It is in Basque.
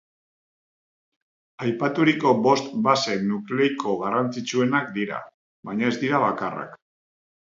Aipaturiko bost base nukleikoak garrantzitsuenak dira, baina ez dira bakarrak.